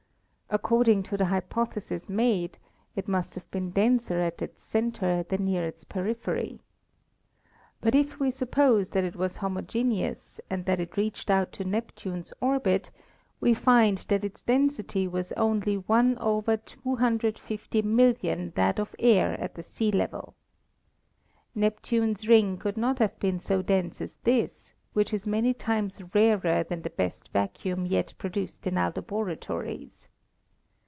According to the hy potheses made, it must have been denser at its center than near its periphery. But if we suppose that it was homo geneous and that it reached out to Neptune's orbit, we find that its density was only 1 / 25mmoo that of air at the sea level. Neptune's ring could not have been so dense as this, which is many times rarer than the best vacuum yet produced in our laboratories.